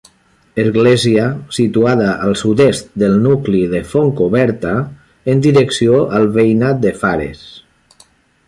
Església situada al sud-est del nucli de Fontcoberta, en direcció al veïnat de Fares.